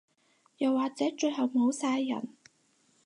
又或者最後冇晒人